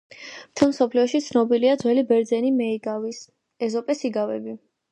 მთელ მსოფლიოში ცნობილია ძველი ბერძენი მეიგავის - ეზოპეს იგავები